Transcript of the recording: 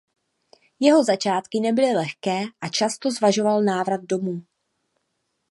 Jeho začátky nebyly lehké a často zvažoval návrat domů.